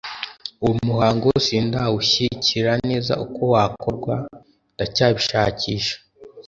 uwo muhango sindawushyikira neza uko wakorwaga, ndacyabishakisha